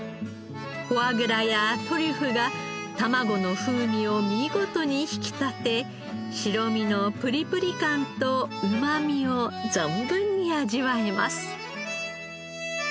フォアグラやトリュフがたまごの風味を見事に引き立て白身のプリプリ感とうまみを存分に味わえます。